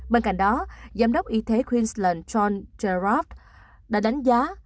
bên cạnh đó giám đốc y tế queensland john girard đã đánh giá